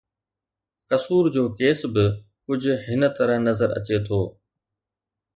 قصور جو ڪيس به ڪجهه هن طرح نظر اچي ٿو.